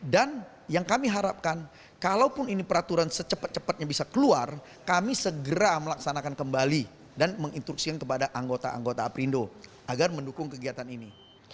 dan yang kami harapkan kalaupun ini peraturan secepat cepatnya bisa keluar kami segera melaksanakan kembali dan mengintrusi kepada anggota anggota aprindo agar mendukung kegiatan ini